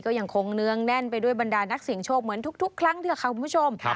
ก็ยังคงเนื้องแน่นไปด้วยบรรดานักเสียงโชคเหมือนทุกครั้งเถอะค่ะคุณผู้ชม